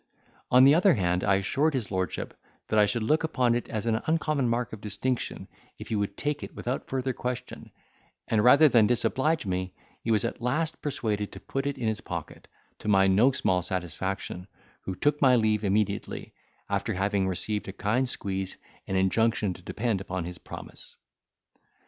On the other hand, I assured his lordship that I should look upon it as an uncommon mark of distinction, if he would take it without further question; and, rather than disoblige me, he was at last persuaded to put it in his pocket, to my no small satisfaction, who took my leave immediately, after having received a kind squeeze, and an injunction to depend upon his promise.